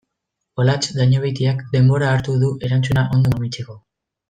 Olatz Dañobeitiak denbora hartu du erantzuna ondo mamitzeko.